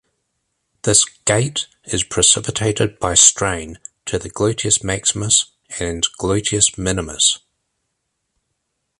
This gait is precipitated by strain to the gluteus maximus and gluteus minimus.